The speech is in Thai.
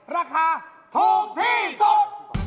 ราคาถูกที่สุด